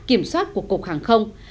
kiểm soát của cục hàng không